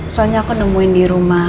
soalnya aku nemuin di rumah